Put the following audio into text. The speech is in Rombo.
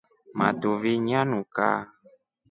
Matuvi nyanuka.